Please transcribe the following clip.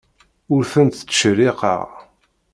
Ur tent-ttcerriqeɣ.